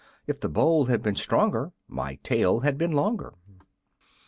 If the bowl had been stronger My tale had been longer.